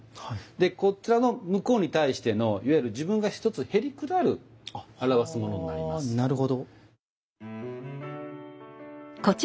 こちらの向こうに対してのいわゆる自分が一つへりくだる表すものになります。